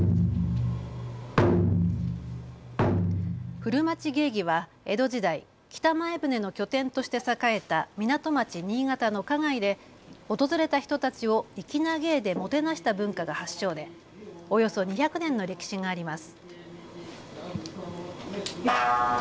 古町芸妓は江戸時代、北前船の拠点として栄えた港町、新潟の花街で訪れた人たちを粋な芸でもてなした文化が発祥でおよそ２００年の歴史があります。